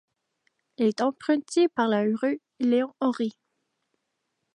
Il est emprunté par la rue Léon-Haury.